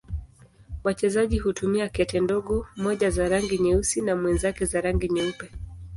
Wachezaji hutumia kete ndogo, mmoja za rangi nyeusi na mwenzake za rangi nyeupe.